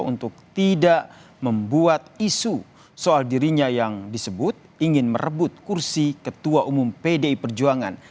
untuk tidak membuat isu soal dirinya yang disebut ingin merebut kursi ketua umum pdi perjuangan